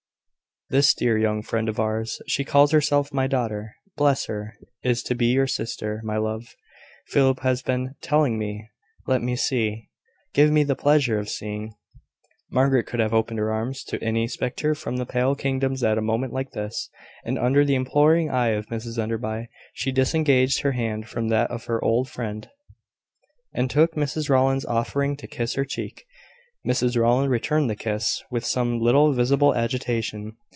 "This dear young friend of ours, she calls herself my daughter, bless her! is to be your sister, my love. Philip has been telling me . Let me see . Give me the pleasure of seeing " Margaret could have opened her arms to any spectre from the pale kingdoms at a moment like this, and under the imploring eye of Mrs Enderby. She disengaged her hand from that of her old friend, and took Mrs Rowland's, offering to kiss her cheek. Mrs Rowland returned the kiss, with some little visible agitation.